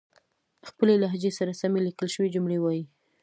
خپلې لهجې سره سمې ليکل شوې جملې وايئ